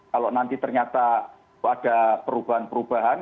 kalau nanti ternyata ada perubahan perubahan